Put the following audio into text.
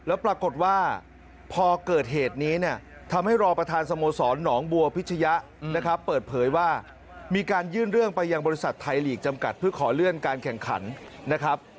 แล้วปรากฏว่าพอเกิดเหตุนี้เนี่ยทำให้รอประธานสโมสรหนองบัวพิชยะนะครับเปิดเผยว่ามีการยื่นเรื่องไปยังบริษัทไทยลีกจำกัดเพื่อขอเลื่อนการแข่งขันนะครับ